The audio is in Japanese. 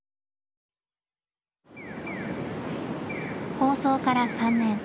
放送から３年。